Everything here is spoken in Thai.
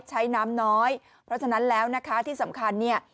ใช้น้ำน้อยเพราะฉะนั้นแล้วนะคะที่สำคัญเนี่ย